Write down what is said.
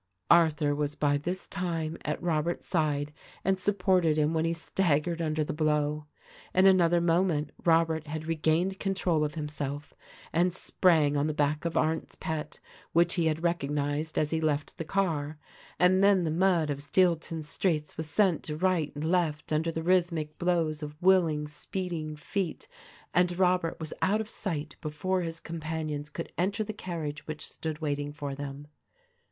Arthur was by this time at Robert's side and supported him when he staggered under the blow. In another moment Robert had regained control of himself and sprang on the back of Arndt's pet, which he had recognized as he left the car; and then the mud of Steelton's streets was sent to right and left under the rhythmic blows of willing, speeding feet THE RECORDING ANGEL 231 — and Robert was out of sight before his companions could enter the carriage which stood waiting for them.